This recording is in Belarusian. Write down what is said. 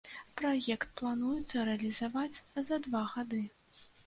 Праект плануецца рэалізаваць за два гады.